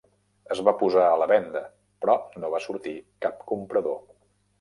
Es va posar a la venda però no va sortir cap comprador.